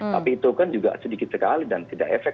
tapi itu kan juga sedikit sekali dan tidak efek